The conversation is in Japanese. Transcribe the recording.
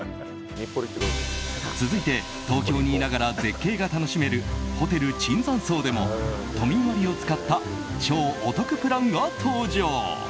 続いて東京にいながら絶景が楽しめるホテル椿山荘でも都民割を使った超お得プランが登場。